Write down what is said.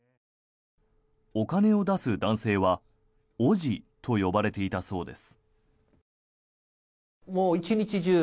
お金を出す男性はおぢと呼ばれていたそうです。